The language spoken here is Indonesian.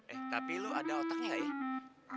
eh tapi lo ada otaknya gak ya